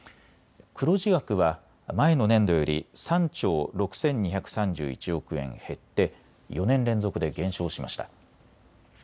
黒字額は前の年度より３兆６２３１億円減って４年連続で減少しました。